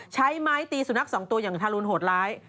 ใช้ไม้ตีสุนัขสองตัวอย่างทารุณโหดร้าย